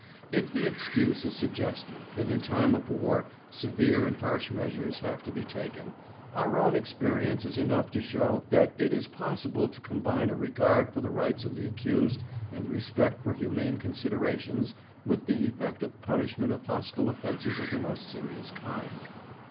If the excuse is suggested that in time of war severe and harsh measures have to be taken, our own experience is enough to show that it is possible to combine a regard for the rights of the accused and the respect for humane considerations with the effect of punishment of hostile offences of the most serious kind.